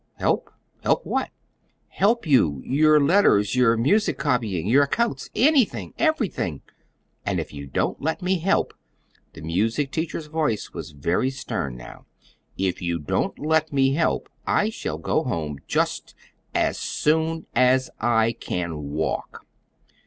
"Help? Help what?" "Help you; your letters, your music copying, your accounts anything, everything. And if you don't let me help," the music teacher's voice was very stern now "if you don't let me help, I shall go home just as soon as I can walk!"